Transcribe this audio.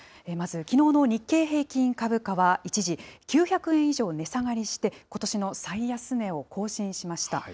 まず、きのうの日経平均株価は一時９００円以上値下がりして、ことしの最安値を更新しました。